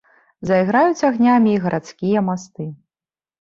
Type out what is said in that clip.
Зайграюць агнямі і гарадскія масты.